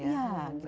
iya gitu gitu ya